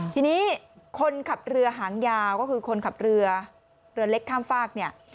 ทีนี้คนขับเรือหางยาวก็คือคนขับเรือเรือเล็กข้ามฝากเนี่ย